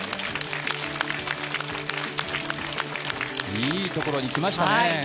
いいところに来ましたね。